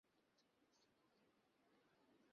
এর জন্য তোমার সাহায্য দরকার।